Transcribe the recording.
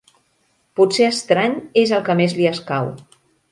Potser estrany és el que més li escau.